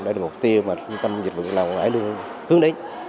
đó là mục tiêu mà trung tâm dịch vực lao động hải lương hướng đến